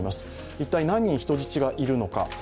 一体、何人人質がいるのか。